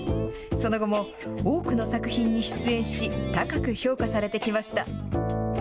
その後も多くの作品に出演し、高く評価されてきました。